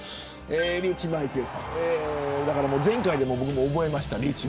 リーチマイケルさん前回で覚えました。